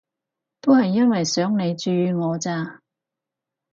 都係因為想你注意我咋